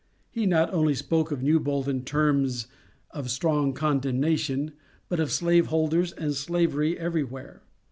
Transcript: He not only spoke of Newbold in terms of strong condemnation but of slave holders and slavery everywhere.